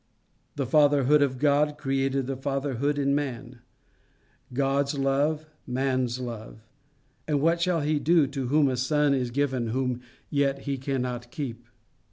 The Fatherhood of God created the fatherhood in man; God's love man's love. And what shall he do to whom a son is given whom yet he cannot keep?